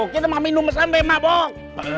kita mau minum sampe mabok